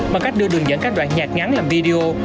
bằng cách đưa đường dẫn các đoạn nhạc ngắn làm video